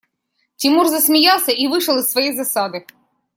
Тимур засмеялся и вышел из своей засады.